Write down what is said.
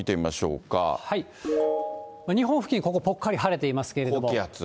日本付近、ここぽっかり晴れていますけれども。